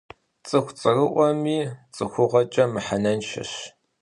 Цӏыху цӏэрыӏуэми цӏыхугъэкӏэ мыхьэнэншэщ.